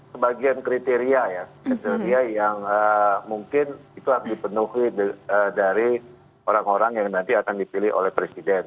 sebagian kriteria ya kriteria yang mungkin itu harus dipenuhi dari orang orang yang nanti akan dipilih oleh presiden